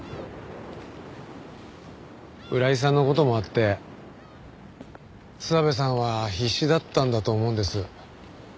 浦井さんの事もあって諏訪部さんは必死だったんだと思うんです。